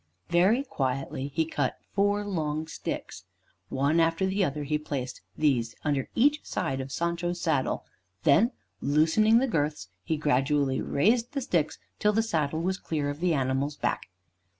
Very quietly he cut four long sticks. One after the other he placed these under each side of Sancho's saddle; then loosening the girths, he gradually raised the sticks till the saddle was clear of the animal's back.